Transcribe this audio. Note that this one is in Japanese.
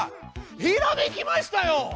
ひらめきましたよ！